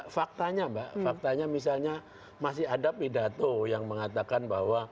faktanya mbak faktanya misalnya masih ada pidato yang mengatakan bahwa